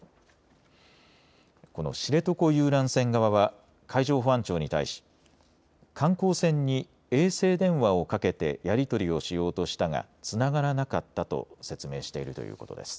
この知床遊覧船側は海上保安庁に対し観光船に衛星電話をかけてやり取りをしようとしたがつながらなかったと説明しているということです。